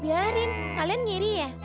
biarin kalian ngiri ya